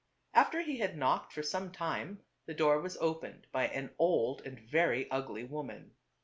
After he had knocked for some time, the door was opened by an old and very ugly woman.